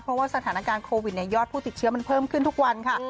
เพราะว่าสถานการณ์โควิดยอดผู้ติดเชื้อมันเพิ่มขึ้นทุกวันค่ะ